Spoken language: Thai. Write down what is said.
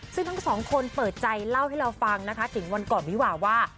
ซึ่งทั้งสองคนเปิดใจเล่าให้เราฟังนะคะถึงวันก่อนวิวาว่า